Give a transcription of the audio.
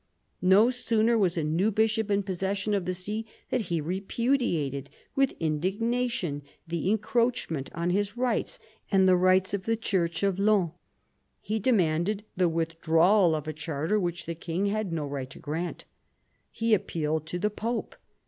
No sooner was a new bishop in possession of the see than he repudiated with indignation the encroachment on his rights and the rights of the Church of Laon. He demanded the with drawal of a charter which the king had no right to grant. He appealed to the Pope.